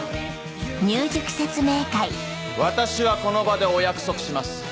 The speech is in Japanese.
私はこの場でお約束します。